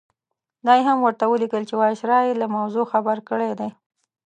دا یې هم ورته ولیکل چې وایسرا یې له موضوع خبر کړی دی.